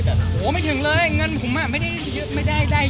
แต่ว่าแบบตอนนี้เราทำไม่ได้แล้ว